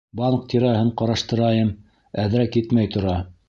Банк тирәһен ҡараштырайым, әҙерәк етмәй тора.